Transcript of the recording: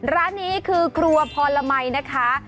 ร้านนี้คือครัวพรมัยนะคะ